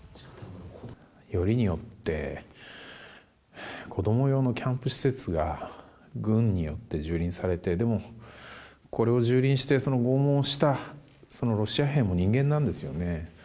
よりによって子供用のキャンプ施設が軍によって蹂躙されてこれを蹂躙して拷問したそのロシア兵も人間なんですよね。